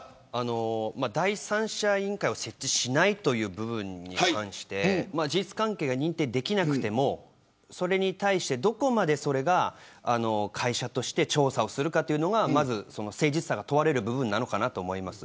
第三者委員会を設置しないという部分に関して事実関係が認定できなくてもそれに対して、どこまでそれが会社として調査をするかというのが誠実さが問われる部分かなと思います。